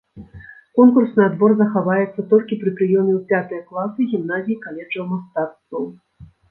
Конкурсны адбор захаваецца толькі пры прыёме ў пятыя класы гімназій-каледжаў мастацтваў.